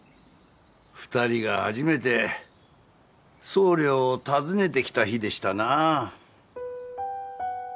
２人が初めて総領を訪ねてきた日でしたなあ。